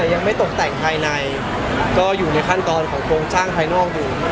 ยังไม่ตกแต่งภายในก็อยู่ในขั้นตอนของโครงสร้างภายนอกอยู่